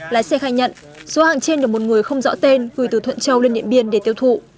lái xe khai nhận số hàng trên được một người không rõ tên gửi từ thuận châu lên điện biên để tiêu thụ